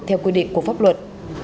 theo quy định của pháp luật